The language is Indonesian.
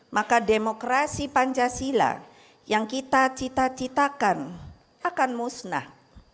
maka demokrasi pancasila yang kita cita citakan akan musnah